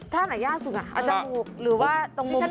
ถ้าหนที่ย่าสุดอ่ะอาจจะมูกหรือว่าตรงมุมปาก